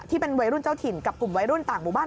ที่เป็นวัยรุ่นเจ้าถิ่นกับกลุ่มวัยรุ่นต่างหมู่บ้าน